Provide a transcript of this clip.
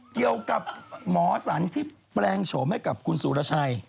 เกี่ยวกับหมอสันที่แปลงโฉมให้กับคุณสุรชัย